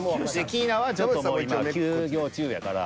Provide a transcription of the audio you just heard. キーナはちょっともう今は休業中やから。